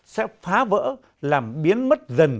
sẽ phá vỡ làm biến mất dần